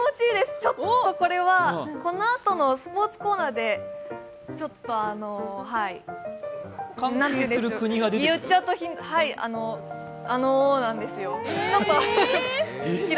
ちょっとこれはこのあとのスポーツコーナーでちょっと関係する国が出てくる？